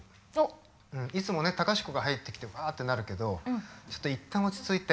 いつも隆子が入ってきてばってなるけどちょっといったん落ち着いて。